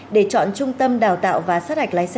để chọn trung tâm đào tạo và sát hạch giấy phép lái xe